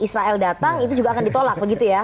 israel datang itu juga akan ditolak begitu ya